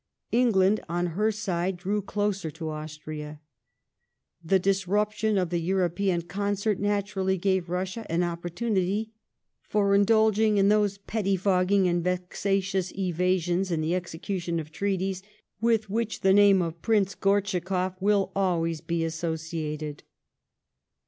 England, on her side, drew closer to Austria. Tho disruption of the European concert naturally gav^ Bussia an opportunity for indulging in those pettifogt ging and vexatious evasions in the execution of treaties with which the name of Prince Gortschakoff will always be associated.